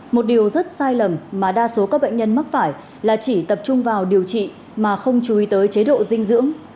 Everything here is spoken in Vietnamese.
một điều rất sai lầm mà đa số các bệnh nhân mắc phải là chỉ tập trung vào điều trị mà không chú ý tới chế độ dinh dưỡng